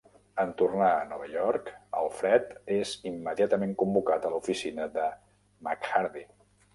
En tornar a Nova York, Alfred és immediatament convocat a l'oficina de MacHardie.